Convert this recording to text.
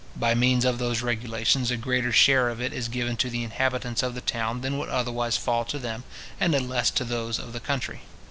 By means of those regulations, a greater share of it is given to the inhabitants of the town than would otherwise fall to them, and a less to those of the country.